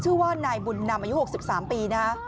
ชื่อว่านายบุญนำอายุ๖๓ปีนะฮะ